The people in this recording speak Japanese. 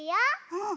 うん。